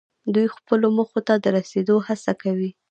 دوی خپلو موخو ته د رسیدو هڅه کوي.